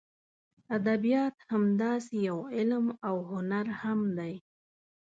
ادبیات همداسې یو علم او هنر هم دی.